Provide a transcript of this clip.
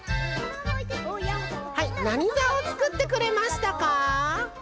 はいなにざをつくってくれましたか？